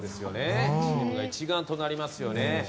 チームが一丸となりますよね。